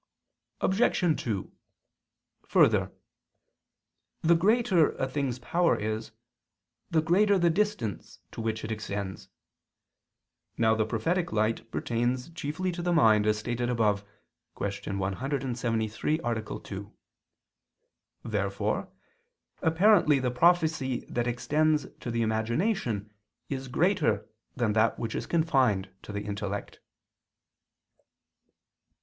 Obj. 2: Further, the greater a thing's power is, the greater the distance to which it extends. Now the prophetic light pertains chiefly to the mind, as stated above (Q. 173, A. 2). Therefore apparently the prophecy that extends to the imagination is greater than that which is confined to the intellect.